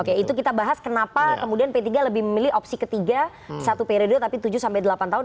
oke itu kita bahas kenapa kemudian p tiga lebih memilih opsi ketiga satu periode tapi tujuh sampai delapan tahun